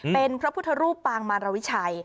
เป็นพระพุทธรูปปางมารวิชัย